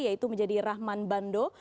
yaitu menjadi rahman bando